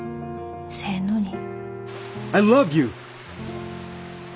せえのに。